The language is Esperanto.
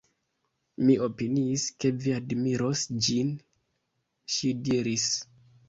Mi opiniis ke vi admiros ĝin, ŝi diris.